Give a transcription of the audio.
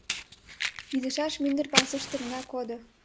Ӱдышаш мӱндыр пасушто гына кодо.